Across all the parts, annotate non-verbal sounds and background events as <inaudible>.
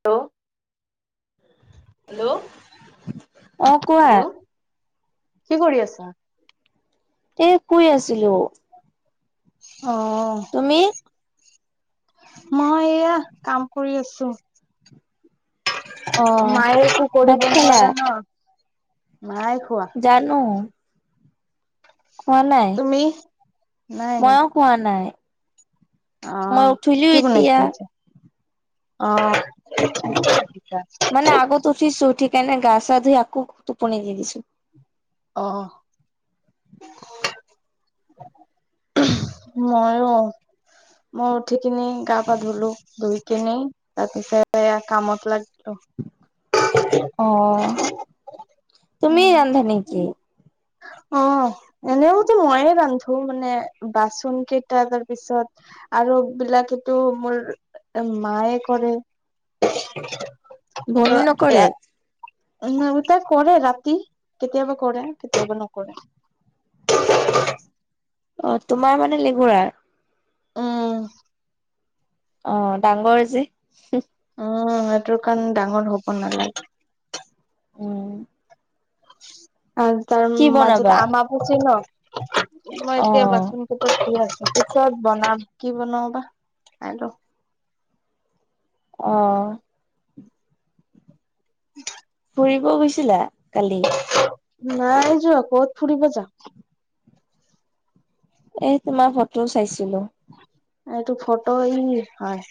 Hello. অ', কোৱা। কি কৰি আছা? এ শুই আছিলো। অ'। তুমি মই এয়া কাম কৰি আছো। অ মায়ে একো ভাত কৰিব খালা নোৱাৰা ন। নাই খোৱা, জানো। খোৱা নাই তুমি? মইও খোৱা নাই। মই অহ উঠিলো কি এতিয়া বনাইছা অহ। মানে আগত উঠিছো ঠিক কাই নে গা চা ধুই আকৌ টোপনি দি দিছো অহ। ময়ো মই উঠি কিনি গা পা ধুলো, ধুই কিনি তাৰ পিছত কামত লাগ অ, তুমি উম। ৰান্ধা নেকি? অ', এনেওতো ময়ে ৰান্ধো মানে বাচন কেইটা তাৰপিছত আৰু বিলাক এইটো মোৰ মায়ে কৰে। বমি নকৰে। উ টা কৰে ৰাতি কেতিয়াবা কৰে কেতিয়াবা নকৰে। <inaudible> অ তোমাৰ মানে লেগোৰাৰ। উম। অ ডাঙৰ যে। উম সেইটোৰ কাৰণ ডাঙৰ হ'ব নালাগে। উম আৰু তাৰ কি মাজতে বনাবা আম বচ ন' মই অ এতিয়া বাচন কট ধু আছো ত পিছত বনাম কি বনাও বা চাই লওঁ। অ'। <inaudible> ফুৰিব গৈছিলা কালি। নাই যোৱা ক'ত ফুৰিব যা এ তোমাৰ ফটোও চাইছিলো। এইটো ফটো ই হয়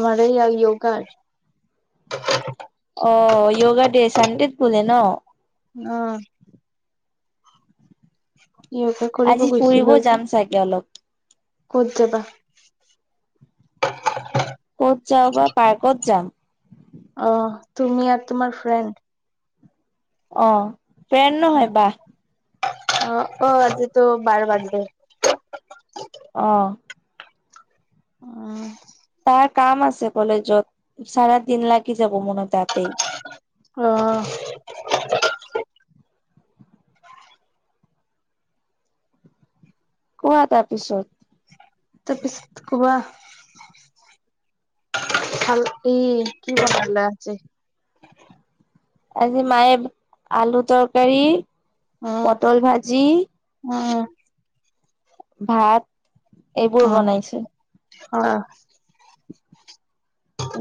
আমাৰ এই য়োগাৰ <inaudible> অ', য়োগা ডে চানডেত ভলে <unintelligible> ন' অ'। সিহঁতে কৰিব আজি ফুৰিব গুছিলো। যাম চাগে অলপ, ক'ত যাবা? ক'ত যাওঁ বা পাৰ্কত যাম। অ', তুমি আৰু তোমাৰ ফ্ৰেণ্ড। অ', ফেন নহয় বাহ অ', অ', আজিটো বাৰ বাৰ্ডদে। আহ। উম, তাৰ কাম আছে কলেজত চাৰ দিন লাগি যাব মনত তাতেই, আহ। কোৱা তাৰ পিছত। তাৰপিছত কোৱা। খাল ই কি বনালা আজি? আজি মায়ে আলু তৰকাৰী, উম, পটল ভাজি। অ', ভাত এইবোৰ বনাইছে। অ'।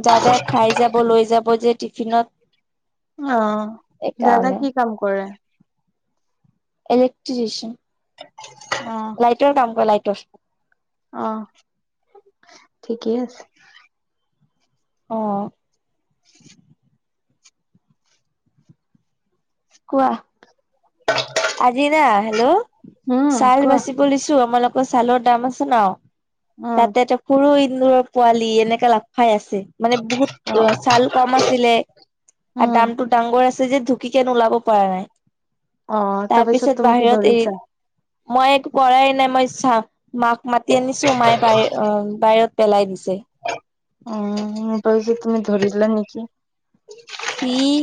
দাদা খাই যাব লৈ যাব যে টিফিনত অ', দাদা সেইকাৰণে। কি কাম কৰে? ইলেক্ট্ৰিচিয়ান লাইটৰ কাম কৰে লাইটৰ। আহ ঠিকেই আছে। অ'। <inaudible> কোৱা। আজি না হেল্ল', উম, ছাল কোৱা বাচিব লছো আমালোকৰ ছালৰ দাম আছে ন'। উম, তাতে এ ত সৰু এন্দুৰৰ পোৱালি এনেকা লাভ খাই আছে। মানে বহুত অ ছাল কম আছিলে আৰু উম। দামতটো ডাঙৰ আছিল। যে ঢুকি কেন ওলাব পৰা নাই। অ', তাৰ তাৰপিছত পিছত তুমি কি বাহিৰত এ ধৰিছা? মই একো পৰাই নাই, মই চা মাক মাতি আনিছো মায়ে বাই অ', বাহিৰত পেলাই দিছে। অ', মোৰ ভাবছো তুমি ধৰি দিলা নেকি। চিয়,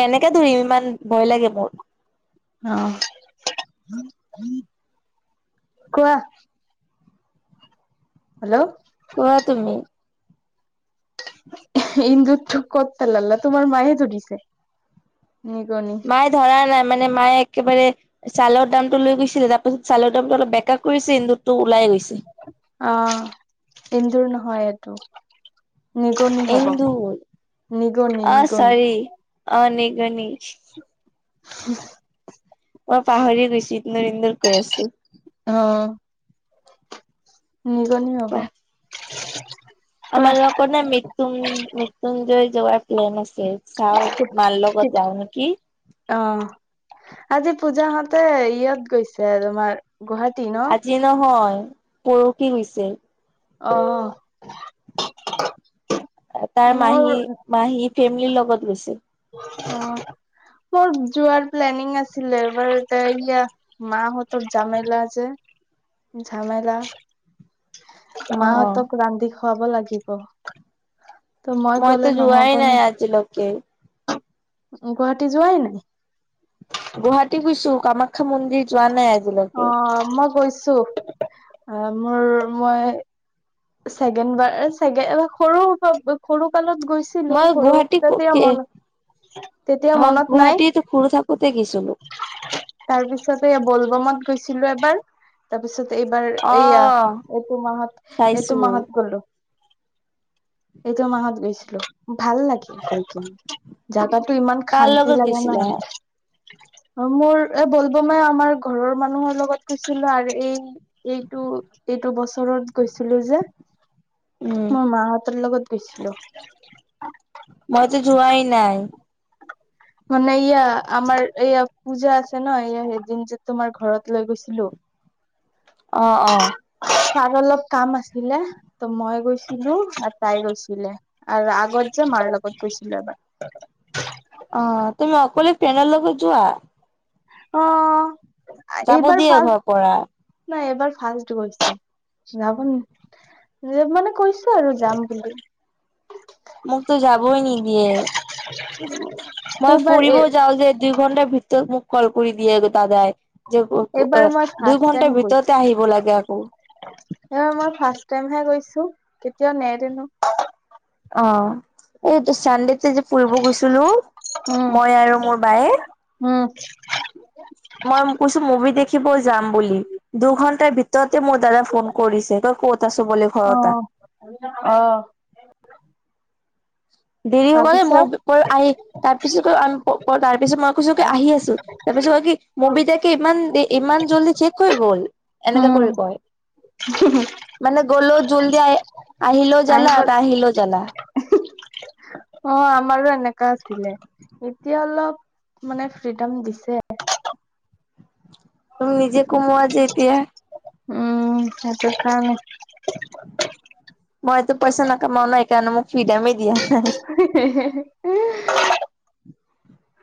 কেনেকে ধৰিলে ইমান ভয় লাগে মোৰ। অ' কোৱা। হেল্ল'। কোৱা তুমি? ইন্দুতটো ক'ত পেলালা তোমাৰ মায়ে ধৰিছে। নিগনি মায়ে ধৰা নাই মানে মায়ে একেবাৰে চাউলৰ দামটো লৈ গৈছিলে। তাৰপাছত চাউল একদম অলপ বেকআপ কৰিছে ইন্দুতটো ওলাই গৈছে হয়, এইটো। নিগনি হ'ব। এন্দুৰ নিগনি, আহ নিগনি চৈৰিৰ অ' নিগনি। হ'ম। মই পাহৰিয়ে গৈছোঁ এন্দুৰ এন্দুৰ কৈ আছোঁ। অ', নিগনি হ'ব। কোৱা। কোৱা। আমাৰ লগত নে মৃত্যুন্ মৃত্যুঞ্জয় যোৱাৰ প্লেন আ ছে চাও মালগত যাও নেকি। অ আজি পূজা হতে ইয়াত গৈছে তোমাৰ গুৱাহাটী ন আজি নহয় পৰখি গৈছে। অ। তাৰ মোৰ মাহী-মাহী ফেমলিৰ লগত গৈছিল। অ। মোৰ যোৱাৰ প্লেনিং আছিলে এবাৰ তে এয়া মাহঁতৰ জামেলা যে। ঝামেলা। অ। মাহঁতক ৰান্ধি খুৱাব লাগিব। ত' মই মইতো গলে যোৱাই নহ'ব নাই ন। আজিলৈকে গুৱাহাটী যোৱাই নাই? গুৱাহাটী গৈছো কামাখ্ অ মই গৈছো। অ', মোৰ মই ছেকেণ্ড বাৰ সৰু সৰু কালত গৈছিলো মই সৰু গুৱাহাটী তাতে কে মন তেতিয়া মই মনত নাই গুৱাহাটীত সুৰো থাকোতে গেছিলো। তাৰ পিছতে বলবমত গৈছিলো এবাৰ তাৰপিছত এইবাৰ এইয়া অ। এইটো মাহত এইটো চাইছো মাহত গলো। এইটো মাহত গৈছিলো। ভাল লাগিল গৈ কিনে, জাগা তো ইমান কাৰ শান্তি লগত লাগে ন' গৈছিলা অ মোৰ এ বলবোমে আমাৰ ঘৰৰ মানুহৰ লগত গৈছিলো আৰু এই এইটো এইটো বছৰত গৈছিলো যে উম মোৰ মাহঁতৰ লগত। গেইছিলো। মইতো যোৱাই নাই। মানে ইয়া আমাৰ এইয়া পূজা আছে ন এইয়া সেইদিন যে তোমাৰ ঘৰত লৈ গৈছিলো হয় অ', অ'। আৰু অলপ কাম আছিলে ত মই গৈছিলো আৰু তাই গৈছিলে আৰু আগত যে মাৰ লগত গৈছিল ছিল ন অ তুমি অকলে পালৰ লগ লগত যোৱা অ যাব এইবাৰ দিয়ে ফাৰ্ষ্ট ঘৰ পৰা নাই এবাৰ ফাৰ্ষ্ট গৈছে যাব ন যে মানে কৈছো আৰু যাম বুলি মোক তো যাবই নি দিয়ে <inaudible> মই এইবাৰ ফুৰিব এ যাওঁ যে দুই ঘণ্টাাৰ ভিতৰত মোক কল কৰি দিয়ে গ দাদাই। যে এইবাৰ মই দুই ফাৰ্ষ্ট ঘণ্টাাৰ ভিতৰতে আহিব লাগে আকৌ। স মই ফাৰ্ষট টাইমহে গৈছো কেতিয়াও নেদেনো। অ। এইটো চানডেতে যে ফুৰিব গৈছিলো উম মই আৰু মোৰ বায়ে <inaudible> মই কৈছো মুভি দেখিব যাম বুলি দুঘন্টাৰ ভিতৰতে মোৰ দাদা ফোন কৰিছে তই ক'ত? ছো বুলি ঘৰট আহ অহ। দেৰি হ'ব নে মোৰ আহি তাৰ পিছত তাৰ পিছত মই কৈছো কি আহি আছো। তাৰপিছত কি মুভিটাকে ইমান দে ইমান জল্দি চেক হৈ গ'ল এনেকা উম কৰি কয়। <inaudible> মানে গলো জলদি আহ আহিল জালা আহিব না আহিলো জালা। অ আমাৰো এনেকা আছিলে এতিয়া অলপ মানে ফ্ৰীডম দিছে। তুমি নিজে কোমোৱা য এতিয়া উম সেইটো কাৰণে মইতো পইচা নাকামাও ন সিকাৰণে মোক ফ্ৰীডমে দিয়া নাই <unintelligible> <inaudible>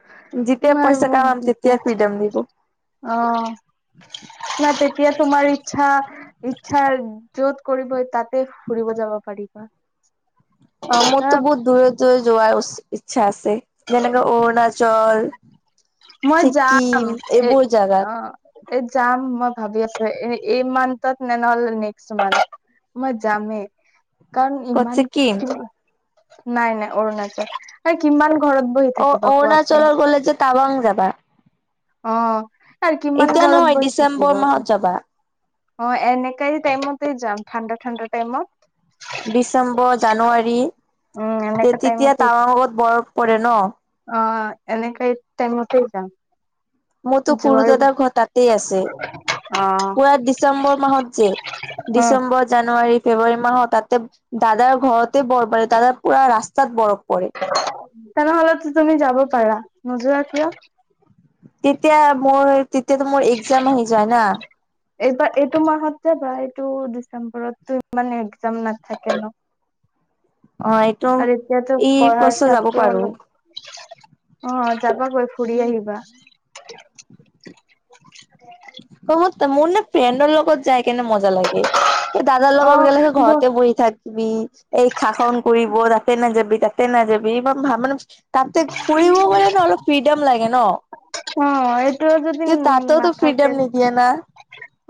যেতিয়া মাৰ পইচা মোক কামাম দি তেতিয়া ফ্ৰীডম দিব অ <unintelligible> কিয় তোমাৰ ইচ্ছা ইচ্ছাৰ য'ত কৰিবই তাতে ফুৰিব যাব পাৰিবা। অ মইতো আহ বহুত দূৰে দূৰে যোৱাাই উচিত। ইচ্ছা আছে যেনেকে অৰুণাচল মই যাম ছিকিম এ এইবোৰ জাগাত অ এ যাম মই ভাবি আছো এ এই মান্থত নে নহ'লে নেক্সট মান্থ মই যামেই। কাৰণ ক'ত ইমান কি ছিকিম নাই নাই অৰুণাচল কিমান ঘৰত বহি অ থাকিব কোৱা অৰুণাচলৰ গ'লে যে টাৱাং যাবা অ আৰু কিমান এতিয়া ঘৰত নহয় বহি ডিচেম্বৰ থাকিবা আকৌ। মাহত যাবা অ এনেকাই টাইমতে যাম ঠাণ্ডা ঠাণ্ডা টাইমত। ডিচেম্বৰ জানুৱাৰী উম তে এনেকা তেতিয়া টাইমতে তাৱাৰত মগত বৰফ পৰে ন? অ এনেকে টাইমতে যাম। মতো খৰুু যোৱাৰ দাদাৰ ঘৰ তাতেই আছে। অ', পুৰা ডিচেম্বৰ মাহত যে অ', ডিচেম্বৰ জানুৱাৰী ফেব্ৰুৱাৰী মাহত তাতে দাদাৰ ঘৰতে বৰবাৰেী দাদাৰ পুৰা ৰাস্তাত বৰফ। পৰে তেনেহলেতো তুমি যাব পাৰা নোজোৱা কিয়? তেতিয়া মই তেতিয়াতো মোৰ একজাম আহি যায় না। এইবাৰ এইটো মাহত যাবা এইটো ডিচেম্বৰতটো ইমান একজাম নাথাকে ন? অ এইটো আৰু এতিয়াতো এই পঢ়াৰ বছৰ যাব চাপটো পাৰো অলপ অ যাবা গৈ ফুৰি আহিবা। মোৰ নে ফ্ৰেণ্ডৰ লগত যায় কেনে মজা লাগে। দাদাৰ লগত গ সে ঘৰতে বহি থাকিবি এই্ষা খন কৰিব তাতে নাযাবি তাতে নাযাবি। <unintelligible> তাতে ফুৰিব গলে ন অলপ ফ্ৰিডাম লাগে ন অ', এইটো যদি কিন্তু ততেওতো নাথাকে ফ্ৰীডম নিদিয়ে না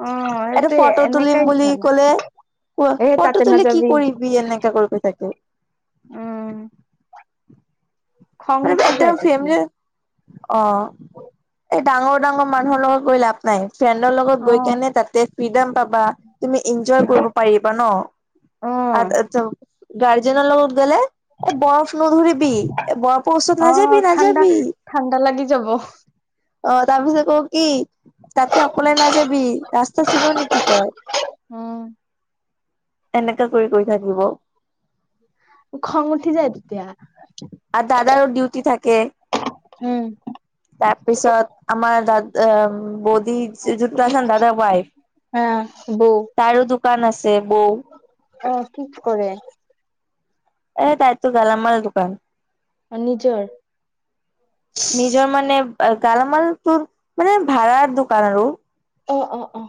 অ', এটা সেইটোৱে ফটো তুলিম এনেকাই বুলি চালা ক'লে ক এ ফটো তাতে তোুলি কি নাযাবি কৰিবি এনেকা কৰিবি থাকে উম। খং মানে উঠি এটা যায় তেতিয়া ফেমলিৰ অ এই ডাঙৰ ডাঙৰ মানুহৰ লগত গৈ লাভ নাই। ফ্ৰেণ্ডৰ লগত গৈ অ', কেনে তাতে ফ্ৰীডম পাবা, তুমি ইনজয় কৰিব পাৰিবা ন? আ অ', আ্ গাৰ্জেনৰ লগত গলে এ বৰফ নধৰিবি এ বৰফৰ ওচৰত নাযাবি অ', ঠাণ্ডা নাযাবি। ঠাণ্ডা লাগি যাব অ তাৰপিছত কব কি, তাতে অকলে নাযাবি ৰাস্তা চিন নেকি তই। উম। এনেকে কৰি কৈ থাকিব। খং উঠি যায় তেতিয়া। আৰু দাদাৰো ডিউটি থাকে। উম। তাৰপিছত আমাৰ দাদ আম বৌদি যোনটো আছে দাদাৰ ৱাইফ আহ বৌ। কান আছে বৌ। অ কি কৰে? এ তাইতো গালা মাল দোকান। নিজৰ নিজৰ মানে আ গালামাল তোৰ মানে ভাড়াৰ দোকান আৰু। অ অ অহ।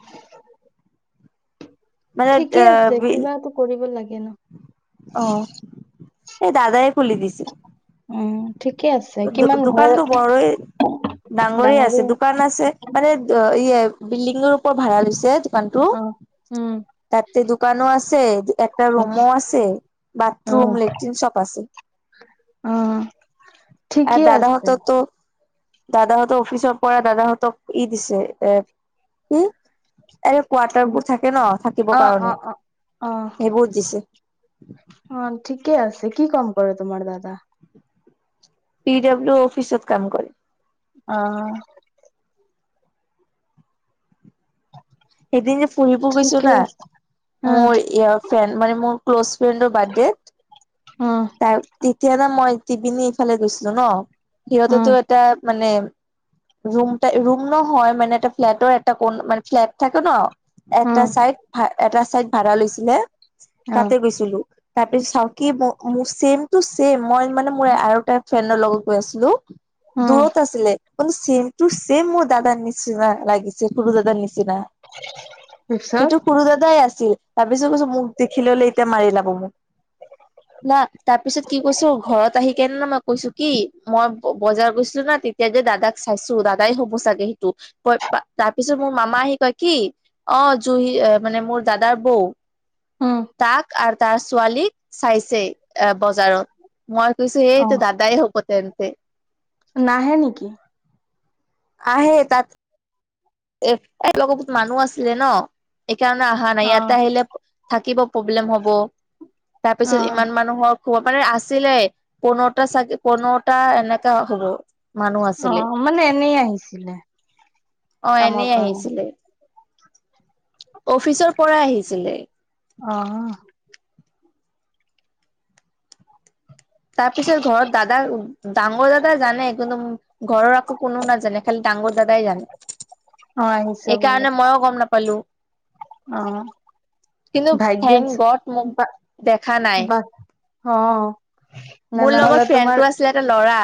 মানে আহ বিল কিবা এটা কৰিব লাগে ন। অঁ। এ দাদাই খুলি দিছিল। উম ঠিকে আছে কিমান দোকানতো ঘৰত বৰই ডাঙৰে আছে দোকান আছে মানে ইয়ে বিল্ডিঙৰ ওপৰত ভাড়া লৈছে দোকানতো। অ'। উম। ততে দোকানো আছে একটা ৰুমো আছে বাথৰুম, লেট্ৰিন সব আছে। অহ। আৰু দাদা হঁতৰতো দাদাহঁতৰ অফিচৰ পৰা দাদাহঁতক ই দিছে এ ই আৰে কোৱাৰ্টাৰবোৰ থাকে ন থাকিবৰ অ' অ' কাৰণে অ' অ' সেইবোৰত দিছে। অ ঠিকে আছে, কি কাম কৰে তোমাৰ দাদা? পি ডাব্লিউ অফিচত কাম কৰে। অঁহ। সেইদিন যে ফুৰিব গৈছো ঠিকে না আছে। উম, মোৰ ইয়াৰ ফ্ৰেণ্ড মানে মোৰ ক্ল'জ ফ্ৰেণ্ডৰ বাৰ্থডে। উম, তাৰ তেতিয়া না মই টিপিনী ইফালে গৈছিলো ন, উম, সিহঁতেতো এটা মানে ৰুম টাই ৰুম নহয় মানে এটা ফ্লেটৰ এটা কন মানে ফ্লেট থাকে ন এটা উম, চাইড ভা এটা চাইড ভাড়া লৈছিলে অ তাতে গৈছিলো। তাৰপিছত চাও কি মোৰ ছেম টু ছেইম মই মানে মোৰ আৰু এটা ফ্ৰেণ্ডৰ লগত গৈ আছিলো উম, দূৰত আছিলে মানে ছেম টু ছেইম মোৰ দাদাৰ নিচিনা লাগিছে সৰু দাদাৰ নিচিনা। চিনা। তাৰপিছত সেইটো সৰু দাদাই আছিল তাৰপিছত কৈছোঁ মোক দেখি ললে এতিয়া মাৰি লাব মোক। <inaudible> তাত তাৰপিছত কি কৈছো ঘৰত আহি কেনে ন মই কৈছো কি, মই বজাৰ গৈছিলো না তেতিয়া যে দা দাদাক চাইছো দাদাই হ'ব চাগে সেইটো, ক তাৰপিছত মোৰ মামা আহি কয় কি অঁ ত হি এ মানে মোৰ দাদাৰ বৌ উম, তাক আৰু তাৰ ছোৱালীক চাইছেই এ বজাৰত। মই কৈছো অ' এইটো দাদাই হ'ব তেন্তে। নাহে নেকি? আহে তাত এ তাই লগৰ বহুত মানুহ আছিলে ন এ স কাৰণে অহা নাই ইয়াতে অ' আহিলে থাকিব প্ৰব্লেম হব তাৰপিছত অ'। ইমান মানুহক হব মানে আছিলে পোন্ধৰটা চাগে পোন্ধৰটা এনেকা হ'ব মানুহ আছিলে অ' মানে এনেই আহিছিলে অ' কামৰ এনেই কাৰণে আহিছিলে অফিচৰ পৰা আহিছিলে অ', তাৰ পিছত ঘৰত দাদা ডাঙৰ দাদা জানে কিন্তু ঘৰৰ আকৌ কোনো নাজানে খালি দাদা ডাঙৰ দাদাই জানে অ', আহিছ বুলি এইকাৰণে মইও গম নাপালো অ', কিন্তু ভাগ্যে থেংক গড মোক দেখা নাই বা অ', ন মোৰ নহলে লগত তোমাৰ ফ্ৰেণ্ডটো আছিলে এটা ল'ৰা